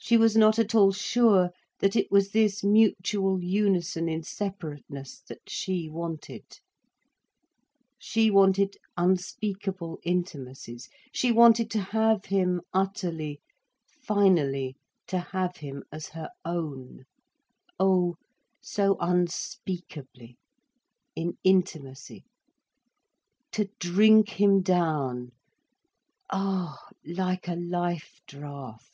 She was not at all sure that it was this mutual unison in separateness that she wanted. She wanted unspeakable intimacies. She wanted to have him, utterly, finally to have him as her own, oh, so unspeakably, in intimacy. To drink him down—ah, like a life draught.